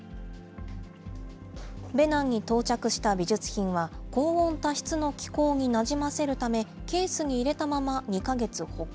ベナンに到着した美術品は、高温多湿の気候になじませるため、ケースに入れたまま２か月保管。